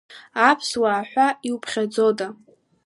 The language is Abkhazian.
Аԥсуаа ҳәа иуԥхьаӡода?